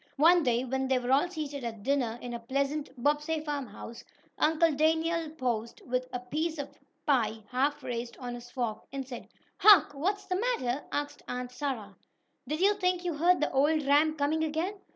One day, when they were all seated at dinner in the pleasant Bobbsey farmhouse, Uncle Daniel paused, with a piece of pie half raised on his fork, and said: "Hark!" "What's the matter?" asked Aunt Sarah. "Did you think you heard the old ram coming again?"